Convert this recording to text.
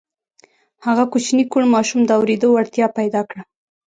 هغه کوچني کوڼ ماشوم د اورېدو وړتیا پیدا کړه